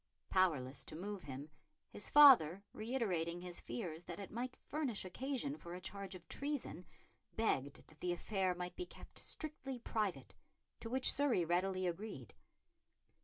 Powerless to move him, his father, reiterating his fears that it might furnish occasion for a charge of treason, begged that the affair might be kept strictly private, to which Surrey readily agreed.